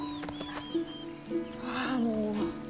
ああもう。